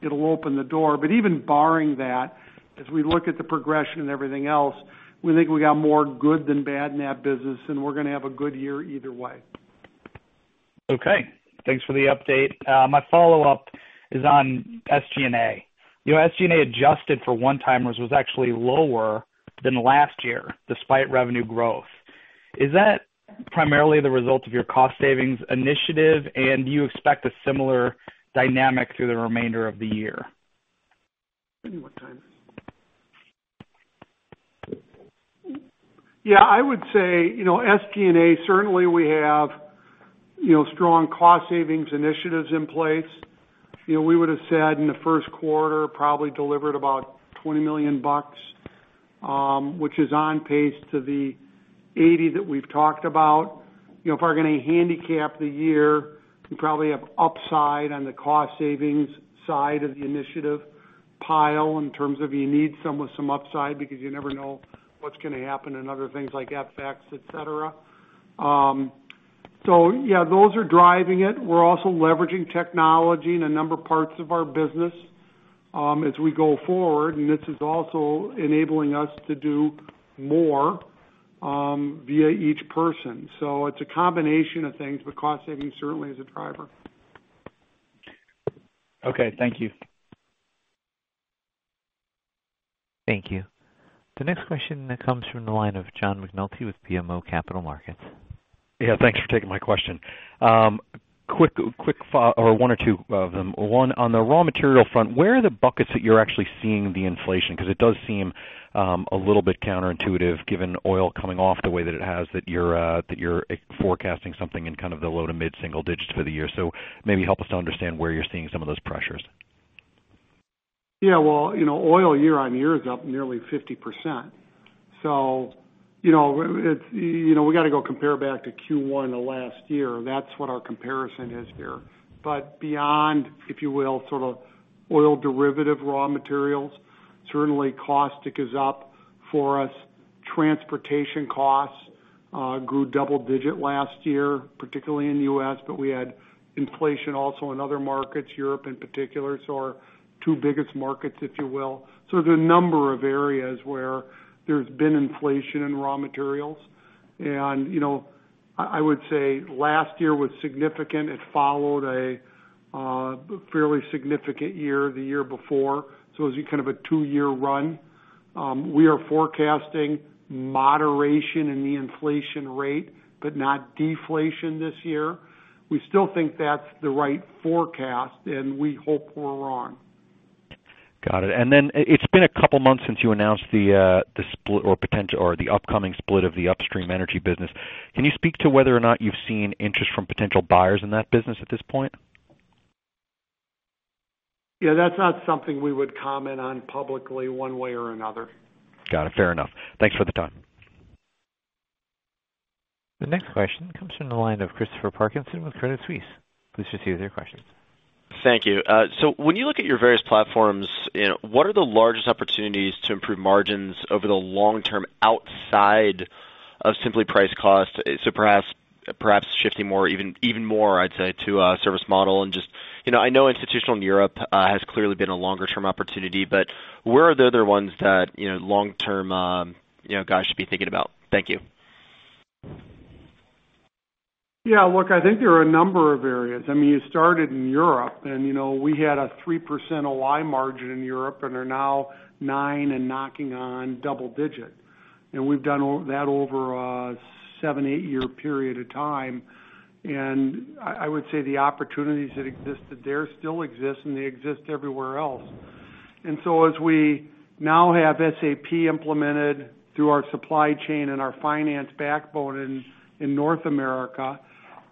[SPEAKER 3] it'll open the door. Even barring that, as we look at the progression and everything else, we think we got more good than bad in that business, and we're going to have a good year either way.
[SPEAKER 12] Okay. Thanks for the update. My follow-up is on SG&A. SG&A adjusted for one-timers was actually lower than last year despite revenue growth. Is that primarily the result of your cost savings initiative? Do you expect a similar dynamic through the remainder of the year?
[SPEAKER 3] Give me one time. Yeah, I would say, SG&A, certainly we have strong cost savings initiatives in place. We would've said in the first quarter, probably delivered about $20 million, which is on pace to the $80 million that we've talked about. If we're going to handicap the year, we probably have upside on the cost savings side of the initiative pile in terms of you need some with some upside because you never know what's going to happen in other things like FX, et cetera. Yeah, those are driving it. We are also leveraging technology in a number of parts of our business as we go forward. This is also enabling us to do more, via each person. It's a combination of things, but cost savings certainly is a driver.
[SPEAKER 12] Okay. Thank you.
[SPEAKER 1] Thank you. The next question comes from the line of John McNulty with BMO Capital Markets.
[SPEAKER 13] Yeah. Thanks for taking my question. Quick follow-up or one or two of them. One, on the raw material front, where are the buckets that you're actually seeing the inflation? It does seem a little bit counterintuitive given oil coming off the way that it has that you're forecasting something in kind of the low to mid-single digits for the year. Maybe help us to understand where you're seeing some of those pressures.
[SPEAKER 3] Yeah. Well, oil year-on-year is up nearly 50%. We got to go compare back to Q1 of last year. That's what our comparison is here. Beyond, if you will, sort of oil derivative raw materials, certainly caustic is up for us. Transportation costs grew double digit last year, particularly in the U.S., we had inflation also in other markets, Europe in particular. Our two biggest markets, if you will. There's a number of areas where there's been inflation in raw materials. I would say last year was significant. It followed a fairly significant year, the year before. It was kind of a two-year run. We are forecasting moderation in the inflation rate, not deflation this year. We still think that's the right forecast, we hope we're wrong.
[SPEAKER 13] Got it. It's been a couple of months since you announced the split or the upcoming split of the upstream Energy business. Can you speak to whether or not you've seen interest from potential buyers in that business at this point?
[SPEAKER 3] Yeah, that's not something we would comment on publicly one way or another.
[SPEAKER 13] Got it. Fair enough. Thanks for the time.
[SPEAKER 1] The next question comes from the line of Christopher Parkinson with Credit Suisse. Please proceed with your question.
[SPEAKER 14] Thank you. When you look at your various platforms, what are the largest opportunities to improve margins over the long term outside of simply price cost? Perhaps shifting even more, I'd say, to a service model. I know Institutional in Europe has clearly been a longer-term opportunity, but where are the other ones that long term guys should be thinking about? Thank you.
[SPEAKER 3] Yeah, look, I think there are a number of areas. You started in Europe, we had a 3% OI margin in Europe and are now 9% and knocking on double digit. We've done that over a seven, eight-year period of time. I would say the opportunities that existed there still exist, and they exist everywhere else. As we now have SAP implemented through our supply chain and our finance backbone in North America,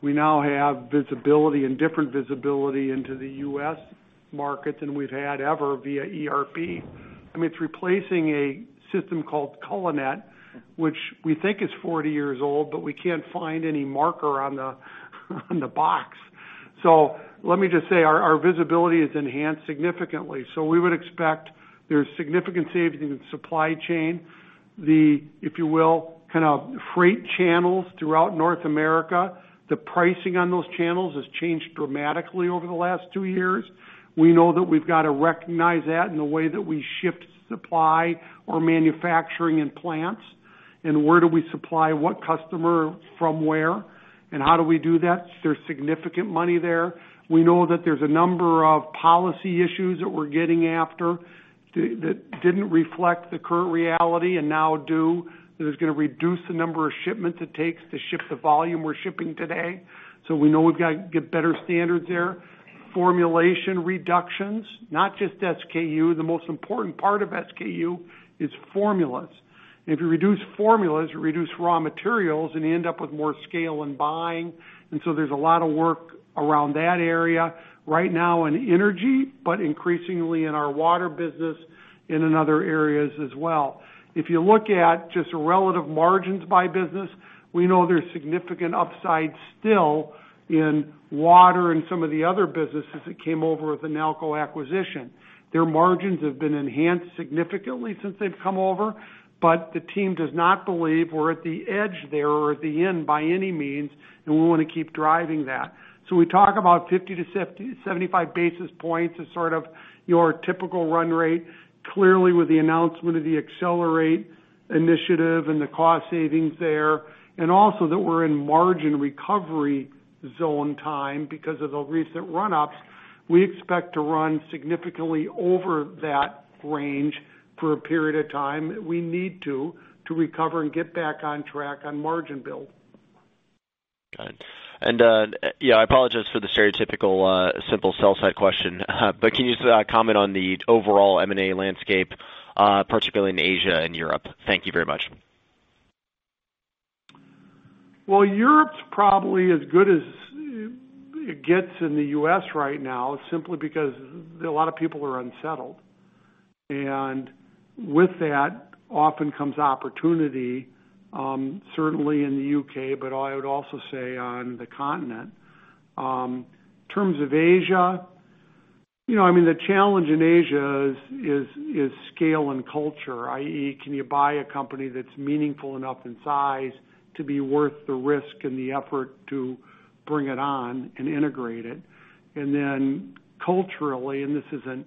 [SPEAKER 3] we now have visibility and different visibility into the U.S. market than we've had ever via ERP. It's replacing a system called Cullinet, which we think is 40 years old, but we can't find any marker on the box. Let me just say our visibility is enhanced significantly. We would expect there's significant savings in supply chain. The, if you will, kind of freight channels throughout North America, the pricing on those channels has changed dramatically over the last two years. We know that we've got to recognize that in the way that we shift supply or manufacturing in plants. Where do we supply what customer from where, and how do we do that? There's significant money there. We know that there's a number of policy issues that we're getting after that didn't reflect the current reality and now do. That is going to reduce the number of shipments it takes to ship the volume we're shipping today. We know we've got to get better standards there. Formulation reductions, not just SKU. The most important part of SKU is formulas. If you reduce formulas, you reduce raw materials, and you end up with more scale in buying. There's a lot of work around that area right now in Energy, but increasingly in our Water business and in other areas as well. If you look at just relative margins by business, we know there's significant upside still in Water and some of the other businesses that came over with the Nalco acquisition. Their margins have been enhanced significantly since they've come over, but the team does not believe we're at the edge there or at the end by any means, and we want to keep driving that. We talk about 50-75 basis points as sort of your typical run rate. Clearly, with the announcement of the Accelerate Initiative and the cost savings there, and also that we're in margin recovery zone time because of the recent run-ups, we expect to run significantly over that range for a period of time. We need to recover and get back on track on margin build.
[SPEAKER 14] Got it. Yeah, I apologize for the stereotypical, simple sell-side question, but can you comment on the overall M&A landscape, particularly in Asia and Europe? Thank you very much.
[SPEAKER 3] Well, Europe's probably as good as it gets in the U.S. right now, simply because a lot of people are unsettled. With that, often comes opportunity, certainly in the U.K., but I would also say on the continent. In terms of Asia, the challenge in Asia is scale and culture, i.e., can you buy a company that's meaningful enough in size to be worth the risk and the effort to bring it on and integrate it? Then culturally, and this isn't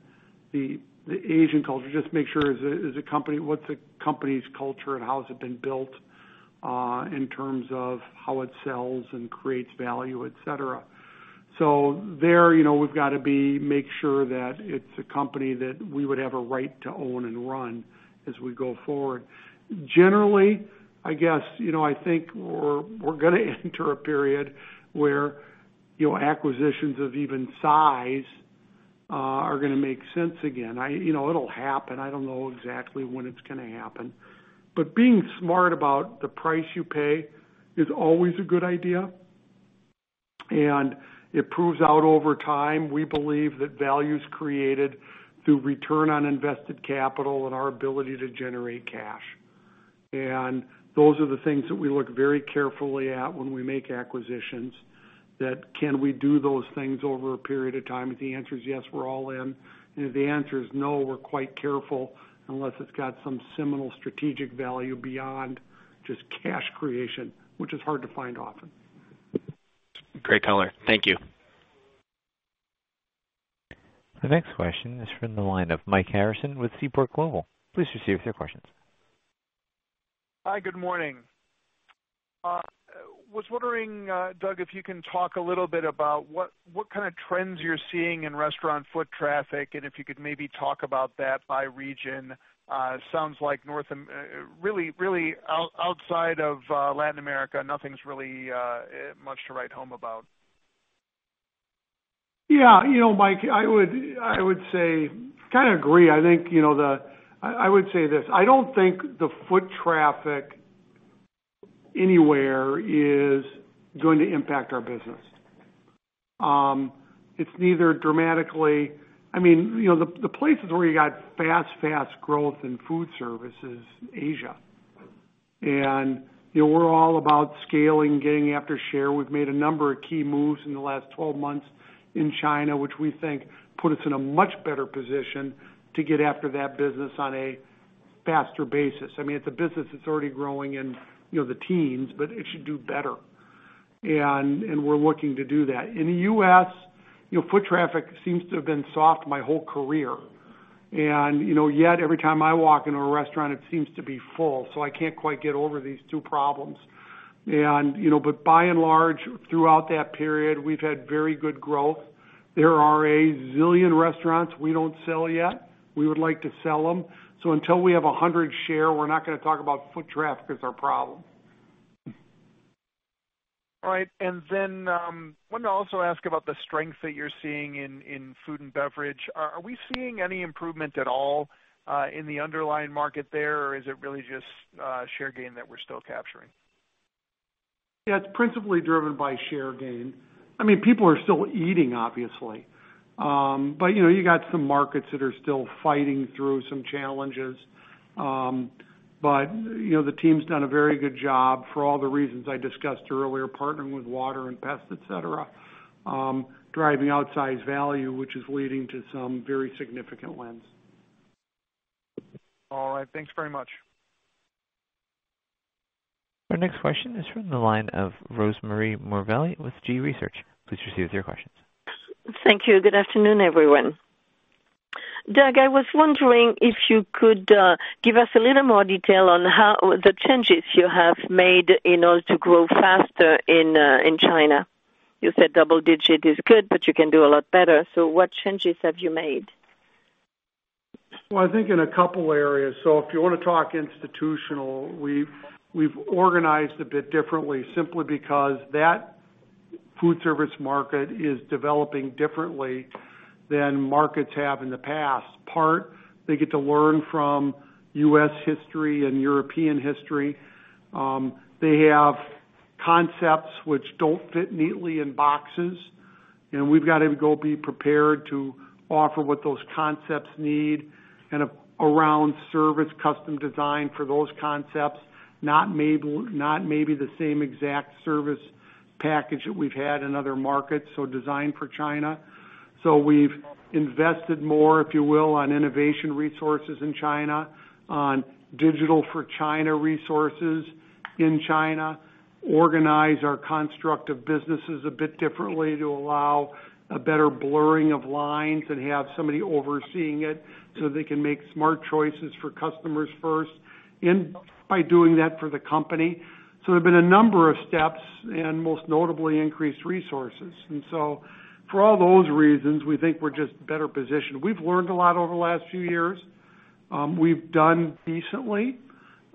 [SPEAKER 3] the Asian culture, just make sure what's the company's culture and how has it been built, in terms of how it sells and creates value, et cetera. There, we've got to make sure that it's a company that we would have a right to own and run as we go forward. Generally, I guess, I think we're gonna enter a period where acquisitions of even size are gonna make sense again. It'll happen. I don't know exactly when it's gonna happen, but being smart about the price you pay is always a good idea. It proves out over time, we believe that value is created through return on invested capital and our ability to generate cash. Those are the things that we look very carefully at when we make acquisitions. That can we do those things over a period of time? If the answer is yes, we're all in. If the answer is no, we're quite careful unless it's got some seminal strategic value beyond just cash creation, which is hard to find often.
[SPEAKER 14] Great color. Thank you.
[SPEAKER 1] The next question is from the line of Mike Harrison with Seaport Global. Please proceed with your questions.
[SPEAKER 15] Hi. Good morning. Was wondering, Doug, if you can talk a little bit about what kind of trends you're seeing in restaurant foot traffic, and if you could maybe talk about that by region. Sounds like really outside of Latin America, nothing's really much to write home about.
[SPEAKER 3] Mike, I would say kind of agree. I would say this. I don't think the foot traffic anywhere is going to impact our business. It's neither dramatically. The places where you got fast growth in food service is Asia. We're all about scaling, getting after share. We've made a number of key moves in the last 12 months in China, which we think put us in a much better position to get after that business on a faster basis. It's a business that's already growing in the teens, but it should do better, and we're looking to do that. In the U.S., foot traffic seems to have been soft my whole career, and yet every time I walk into a restaurant, it seems to be full. I can't quite get over these two problems. By and large, throughout that period, we've had very good growth. There are a zillion restaurants we don't sell yet. We would like to sell them. Until we have 100% share, we're not gonna talk about foot traffic as our problem.
[SPEAKER 15] Right. Wanted to also ask about the strength that you're seeing in Food & Beverage. Are we seeing any improvement at all in the underlying market there, or is it really just share gain that we're still capturing?
[SPEAKER 3] Yeah, it's principally driven by share gain. People are still eating, obviously. You got some markets that are still fighting through some challenges. The team's done a very good job for all the reasons I discussed earlier, partnering with Water and Pest, et cetera, driving outsize value, which is leading to some very significant wins.
[SPEAKER 15] All right. Thanks very much.
[SPEAKER 1] Our next question is from the line of Rosemarie Morbelli with G.research. Please proceed with your questions.
[SPEAKER 16] Thank you. Good afternoon, everyone. Doug, I was wondering if you could give us a little more detail on the changes you have made in order to grow faster in China. You said double digit is good, but you can do a lot better. What changes have you made?
[SPEAKER 3] Well, I think in a couple areas. If you want to talk Institutional, we've organized a bit differently simply because that food service market is developing differently than markets have in the past. They get to learn from U.S. history and European history. They have concepts which don't fit neatly in boxes, and we've got to go be prepared to offer what those concepts need and around service custom-designed for those concepts, not maybe the same exact service package that we've had in other markets, designed for China. We've invested more, if you will, on innovation resources in China, on digital for China resources in China, organize our construct of businesses a bit differently to allow a better blurring of lines and have somebody overseeing it, so they can make smart choices for customers first and by doing that for the company. There have been a number of steps and most notably increased resources. For all those reasons, we think we're just better positioned. We've learned a lot over the last few years. We've done decently.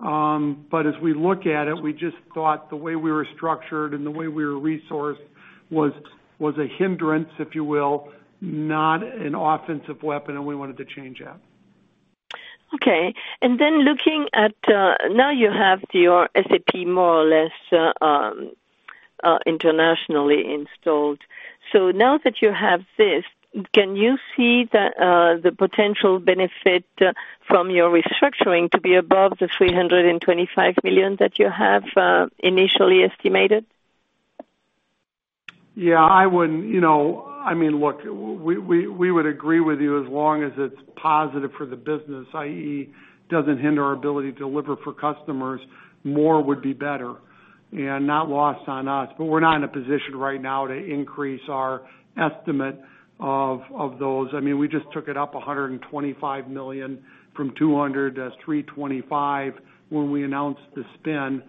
[SPEAKER 3] As we look at it, we just thought the way we were structured and the way we were resourced was a hindrance, if you will, not an offensive weapon, and we wanted to change that.
[SPEAKER 16] Okay. Looking at, now you have your SAP more or less internationally installed. Now that you have this, can you see the potential benefit from your restructuring to be above the $325 million that you have initially estimated?
[SPEAKER 3] We would agree with you as long as it's positive for the business, i.e., doesn't hinder our ability to deliver for customers, more would be better and not lost on us. We're not in a position right now to increase our estimate of those. We just took it up $125 million from $200 to $325 when we announced the spin,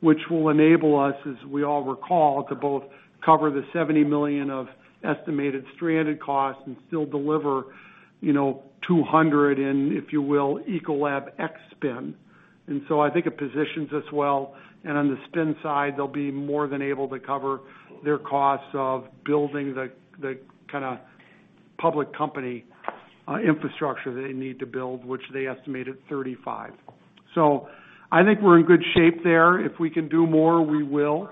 [SPEAKER 3] which will enable us, as we all recall, to both cover the $70 million of estimated stranded costs and still deliver $200 in, if you will, Ecolab ex-spin. I think it positions us well, and on the spin side, they'll be more than able to cover their costs of building the kind of public company infrastructure they need to build, which they estimate at $35 million. I think we're in good shape there. If we can do more, we will.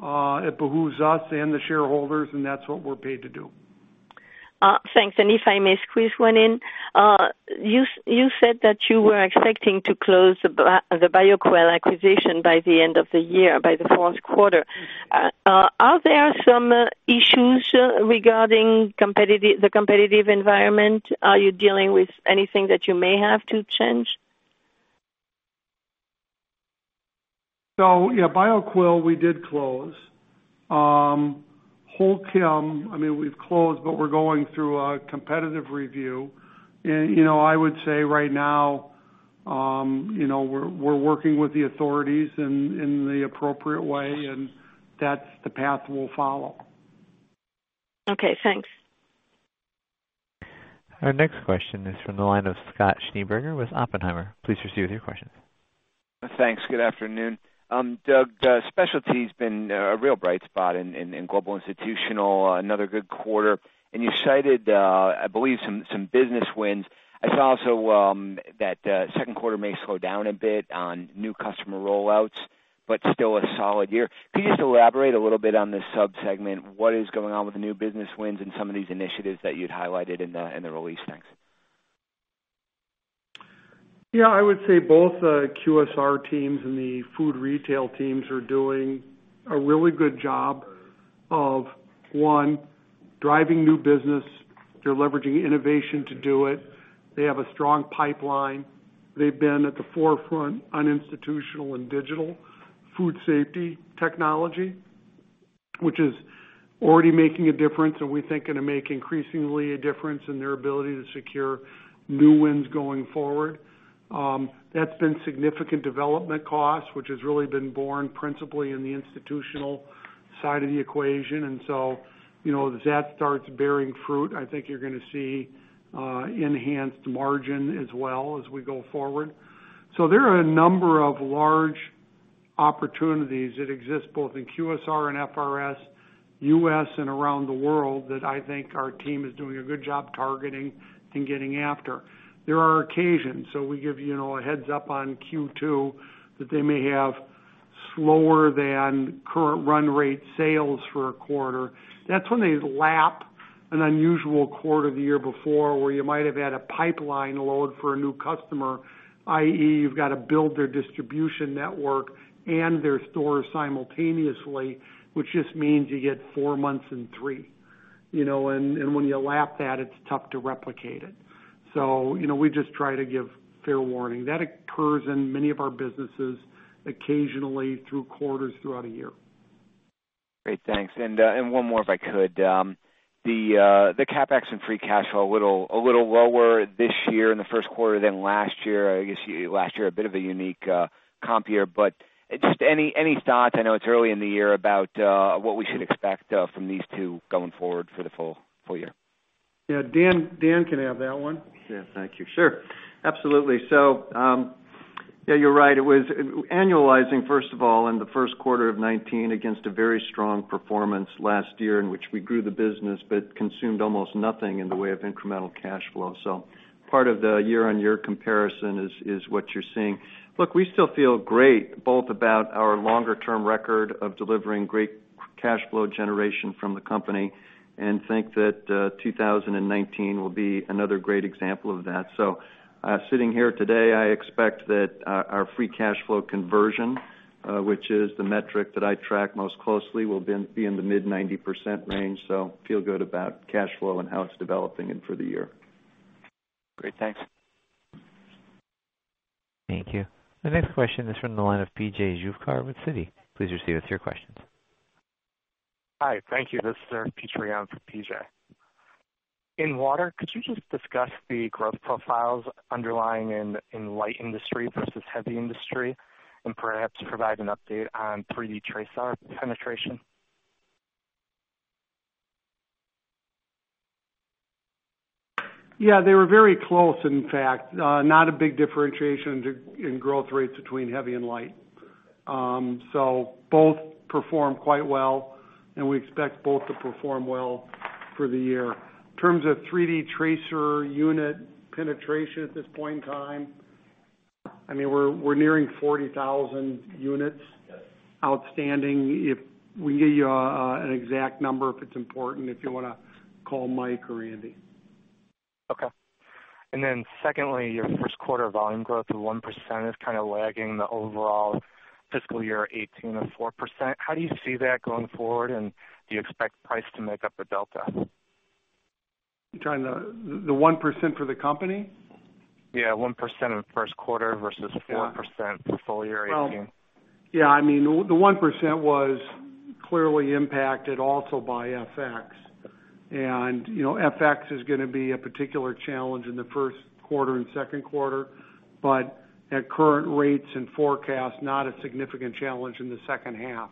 [SPEAKER 3] It behooves us and the shareholders, that's what we're paid to do.
[SPEAKER 16] Thanks. If I may squeeze one in. You said that you were expecting to close the Bioquell acquisition by the end of the year, by the fourth quarter. Are there some issues regarding the competitive environment? Are you dealing with anything that you may have to change?
[SPEAKER 3] Yeah, Bioquell we did close. Holchem, we've closed, we're going through a competitive review. I would say right now, we're working with the authorities in the appropriate way, that's the path we'll follow.
[SPEAKER 16] Okay, thanks.
[SPEAKER 1] Our next question is from the line of Scott Schneeberger with Oppenheimer. Please proceed with your question.
[SPEAKER 17] Thanks. Good afternoon. Doug, Specialty's been a real bright spot in Global Institutional, another good quarter. You cited, I believe, some business wins. I saw also that second quarter may slow down a bit on new customer rollouts, still a solid year. Could you just elaborate a little bit on this subsegment? What is going on with the new business wins and some of these initiatives that you'd highlighted in the release? Thanks.
[SPEAKER 3] Yeah, I would say both the QSR teams and the food retail teams are doing a really good job of, one, driving new business. They're leveraging innovation to do it. They have a strong pipeline. They've been at the forefront on Institutional and digital food safety technology, which is already making a difference, and we think going to make increasingly a difference in their ability to secure new wins going forward. That's been significant development costs, which has really been borne principally in the Institutional side of the equation. As that starts bearing fruit, I think you're going to see enhanced margin as well as we go forward. There are a number of large opportunities that exist both in QSR and FRS, U.S. and around the world, that I think our team is doing a good job targeting and getting after. There are occasions, we give you a heads up on Q2 that they may have slower than current run rate sales for a quarter. That's when they lap an unusual quarter the year before, where you might have had a pipeline load for a new customer, i.e., you've got to build their distribution network and their stores simultaneously, which just means you get four months and three. When you lap that, it's tough to replicate it. We just try to give fair warning. That occurs in many of our businesses occasionally through quarters throughout a year.
[SPEAKER 17] Great, thanks. One more if I could. The CapEx and free cash flow a little lower this year in the first quarter than last year. Last year, a bit of a unique comp year, any thoughts, I know it's early in the year, about what we should expect from these two going forward for the full year?
[SPEAKER 3] Dan can have that one.
[SPEAKER 18] Thank you. Sure. Absolutely. Yeah, you're right. It was annualizing, first of all, in the first quarter of 2019 against a very strong performance last year in which we grew the business but consumed almost nothing in the way of incremental cash flow. Part of the year-over-year comparison is what you're seeing. Look, we still feel great both about our longer-term record of delivering great cash flow generation from the company, and think that 2019 will be another great example of that. Sitting here today, I expect that our free cash flow conversion, which is the metric that I track most closely, will be in the mid-90% range. Feel good about cash flow and how it's developing and for the year.
[SPEAKER 17] Great. Thanks.
[SPEAKER 1] Thank you. The next question is from the line of P.J. Juvekar with Citi. Please proceed with your questions.
[SPEAKER 19] Hi. Thank you. This is Eric Petrie on for P.J. In Water, could you just discuss the growth profiles underlying in light industry versus heavy industry and perhaps provide an update on 3D TRASAR penetration?
[SPEAKER 3] Yeah, they were very close, in fact. Not a big differentiation in growth rates between heavy and light. Both perform quite well, and we expect both to perform well for the year. In terms of 3D TRASAR unit penetration at this point in time, we're nearing 40,000 units outstanding. We can get you an exact number if it's important, if you want to call Mike or Andy.
[SPEAKER 19] Okay. Secondly, your first quarter volume growth of 1% is kind of lagging the overall fiscal year 2018 of 4%. How do you see that going forward, and do you expect price to make up the delta?
[SPEAKER 3] The 1% for the company?
[SPEAKER 19] Yeah, 1% of the first quarter versus 4% for full year 2018.
[SPEAKER 3] Yeah. The 1% was clearly impacted also by FX. FX is going to be a particular challenge in the first quarter and second quarter, but at current rates and forecasts, not a significant challenge in the second half.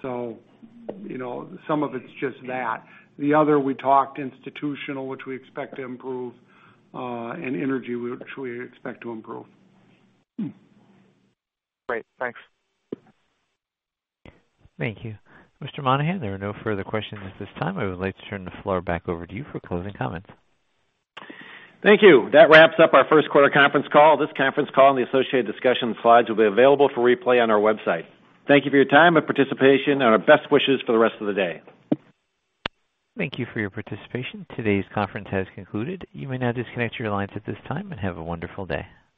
[SPEAKER 3] Some of it's just that. The other, we talked Institutional, which we expect to improve, and Energy, which we expect to improve.
[SPEAKER 19] Great. Thanks.
[SPEAKER 1] Thank you. Mr. Monahan, there are no further questions at this time. I would like to turn the floor back over to you for closing comments.
[SPEAKER 2] Thank you. That wraps up our first quarter conference call. This conference call and the associated discussion slides will be available for replay on our website. Thank you for your time and participation, and our best wishes for the rest of the day.
[SPEAKER 1] Thank you for your participation. Today's conference has concluded. You may now disconnect your lines at this time, and have a wonderful day.